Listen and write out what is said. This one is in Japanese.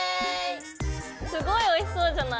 すごいおいしそうじゃない？